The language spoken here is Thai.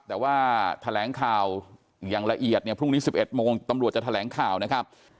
แต่ว่าแถลงข่าวอย่างละเอียดเนี่ยพรุ่งนี้๑๑โมงตำรวจจะแถลงข่าวนะครับ